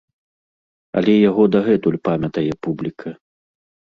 Але яго дагэтуль памятае публіка.